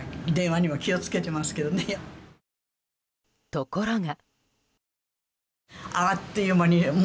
ところが。